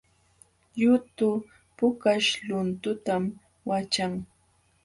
Yutu pukaśh luntutam waćhan